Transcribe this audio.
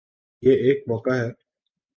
یہ ایک موقع ہے۔